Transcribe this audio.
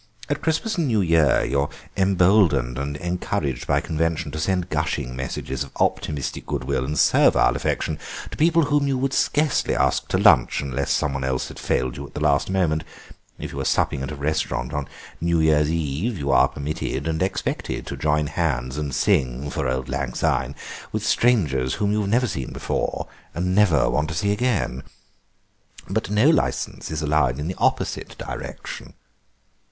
At Christmas and New Year you are emboldened and encouraged by convention to send gushing messages of optimistic goodwill and servile affection to people whom you would scarcely ask to lunch unless some one else had failed you at the last moment; if you are supping at a restaurant on New Year's Eve you are permitted and expected to join hands and sing 'For Auld Lang Syne' with strangers whom you have never seen before and never want to see again. But no licence is allowed in the opposite direction."